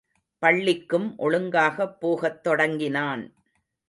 பள்ளிக்கும் ஒழுங்காகப் போகத் தொடங்கினான்.